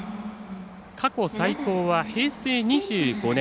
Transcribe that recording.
過去最高は平成２５年。